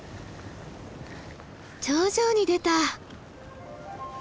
頂上に出た！